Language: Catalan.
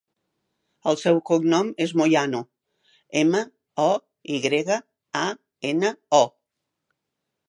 El seu cognom és Moyano: ema, o, i grega, a, ena, o.